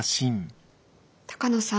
鷹野さん。